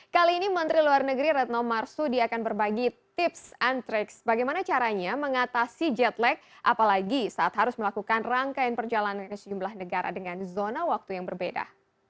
kali ini menteri luar negeri retno marsudi akan berbagi tips and tricks bagaimana caranya mengatasi jet lag apalagi saat harus melakukan rangkaian perjalanan ke sejumlah negara dengan zona waktu yang berbeda